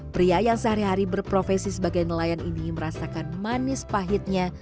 pria yang sehari hari berprofesi sebagai nelayan ini merasakan manis pahitnya